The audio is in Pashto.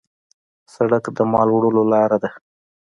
سړک د مال وړلو لار ده.